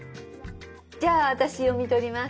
じゃあ私読み取ります。